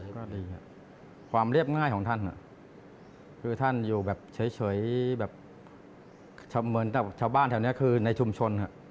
ก็ดีความเรียบง่ายของท่านคือท่านอยู่แบบเฉยแบบเหมือนแต่ชาวบ้านแถวนี้คือในชุมชน